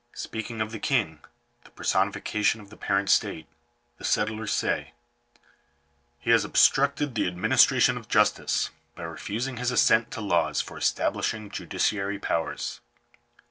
Speaking of the king — the personification of the parent state, the settlers say: —" He has obstructed the administration of justice, by refusing his assent to laws for establishing judiciary powers.